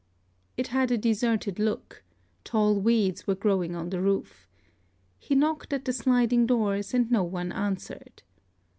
It had a deserted look: tall weeds were growing on the roof. He knocked at the sliding doors, and no one answered.